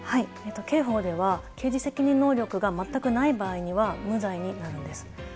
刑法では、刑事責任能力が全くない場合には、無罪になるんです。